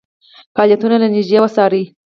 فعالیتونه له نیژدې وڅاري.